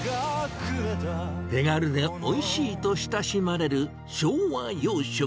手軽でおいしいと親しまれる昭和洋食。